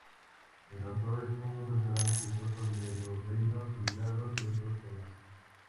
El autor es un consagrado escritor sobre los Reinos Olvidados y otros temas.